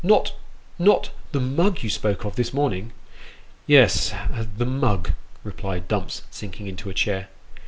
" Not not the mug you spoke of this morning ?"" Yes, the mug !" replied Dumps, sinking into a chair.